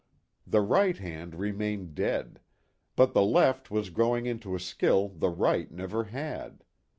The right hand remained dead. But the left was growing into a skill the right never had.